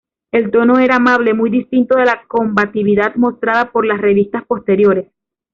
El tono era amable, muy distinto de la combatividad mostrada por las revistas posteriores.